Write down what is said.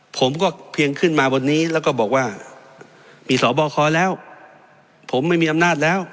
ผมก็เพียงขึ้นมาบนนี้แล้วก็บอกว่ามีสบคแล้วผมไม่มีอำนาจแล้ว